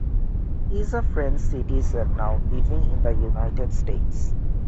He is a French citizen now living in the United States.